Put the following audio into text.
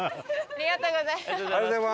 ありがとうございます。